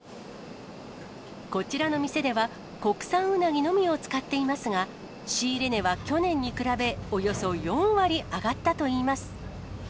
こちらの店では、国産うなぎのみを使っていますが、仕入れ値は去年に比べ、およそ４割上がったといいます。